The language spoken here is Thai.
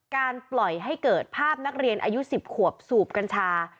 การปล่อยให้เกิดภาพนักเรียนอายุ๑๐ขวบสูบกัญชา